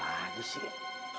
pak haji muhyiddin